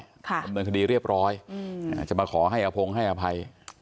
ดำเนินคดีเรียบร้อยจะมาขอให้อพงให้อภัย